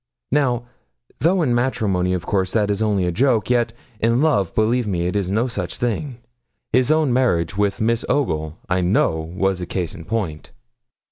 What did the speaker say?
Now, though in matrimony, of course, that is only a joke, yet in love, believe me, it is no such thing. His own marriage with Miss Ogle, I know, was a case in point.